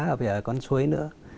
ở cái con suối nữa